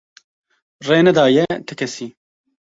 Rê nedaye ti kesî.